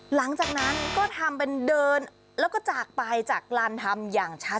หลังจากนั้นก็ทำเป็นเดินแล้วก็จากไปจากลานทำอย่างชัด